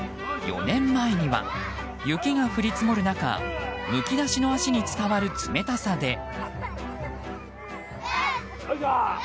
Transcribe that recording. ４年前には、雪が降り積もる中むき出しの足に伝わる冷たさで。